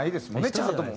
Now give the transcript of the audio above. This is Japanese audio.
チャートも。